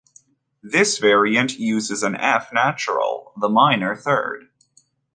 This variant uses an F natural, the minor third.